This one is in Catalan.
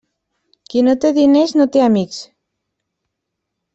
Qui no té diners no té amics.